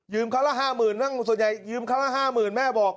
ยืมเขาละห้าหมื่นส่วนใหญ่ยืมเขาละห้าหมื่นแม่บอก